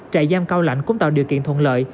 trại giam cao lạnh cũng tạo điều kiện thuận lợi